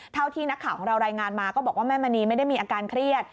ที่นักข่าวของเรารายงานมาก็บอกว่าแม่มณีไม่ได้มีอาการเครียด